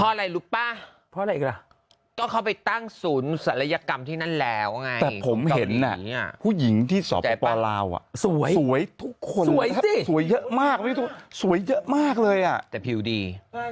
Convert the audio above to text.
เพราะอะไรรู้ป่ะเพราะอะไรอีกล่ะก็เขาไปตั้งศูนย์ศัลยกรรมที่นั่นแล้วไงแต่ผมเห็นผู้หญิงที่สปลาวสวยทุกคนสวยสิสวยเยอะมากสวยเยอะมากเลยอ่ะแต่ผิวดี